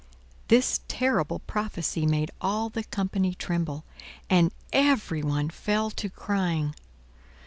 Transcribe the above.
This terrible prophecy made all the company tremble; and every one fell to crying.